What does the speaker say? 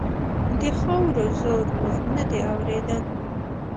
د خاورو زور و؛ نه دې اورېدل.